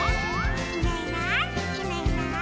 「いないいないいないいない」